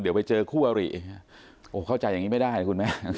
เดี๋ยวไปเจอคู่อริโอ้เข้าใจอย่างนี้ไม่ได้นะคุณแม่